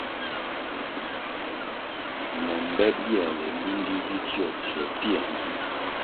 Me mbe bierle lúndi zi tio tio pięr ngie.